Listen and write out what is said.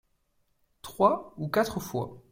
Trois ou quatre fois.